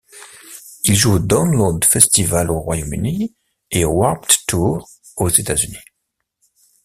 Ils jouent au Download Festival au Royaume-Uni, et au Warped Tour aux États-Unis.